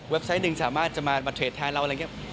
ไซต์หนึ่งสามารถจะมาเทรดแทนเราอะไรอย่างนี้